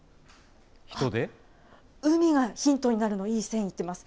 海がヒントになるの、いい線いってます。